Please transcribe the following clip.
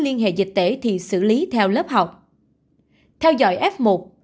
liên hệ dịch tễ thì xử lý theo lớp học theo dõi f một